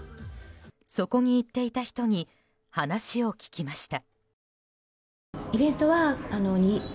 そこに行っていた人に話を聞きました。